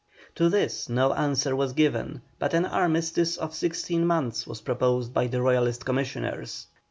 To this no answer was given, but an armistice of sixteen months was proposed by the Royalist Commissioners.